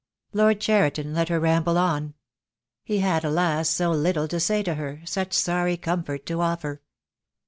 Lord Cheriton let her ramble on. He had, alas, so little to say to her, such sorry comfort to offer.